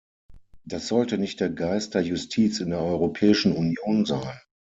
Das sollte nicht der Geist der Justiz in der Europäischen Union sein.